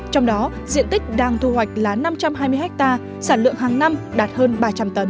trong đó diện tích đang thu hoạch là năm trăm hai mươi ha sản lượng hàng năm đạt hơn ba trăm linh tấn